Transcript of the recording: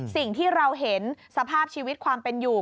สิ่งที่เราเห็นสภาพชีวิตความเป็นอยู่